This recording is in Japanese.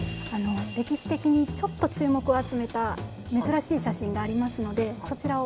歴史的にちょっと注目を集めた珍しい写真がありますのでそちらをご紹介させて下さい。